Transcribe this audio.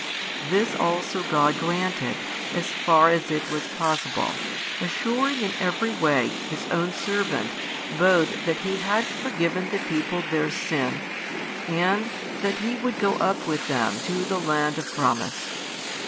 This also God granted, as far as it was possible, assuring in every way His own servant both that He had forgiven the people their sin and that He would go up with them to the land of promise.